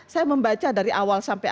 saya membaca dari awal sampai